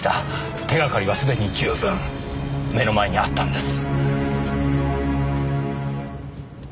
手掛かりは既に十分目の前にあったんです。